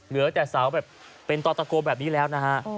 เหลือแต่เสาแบบเป็นต่อตะโกแบบนี้แล้วนะฮะ